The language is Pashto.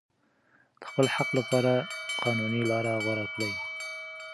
د خپل حق لپاره قانوني لاره غوره کړئ.